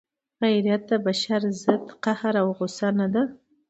غیرت د بشر ضد قهر او غصه نه ده.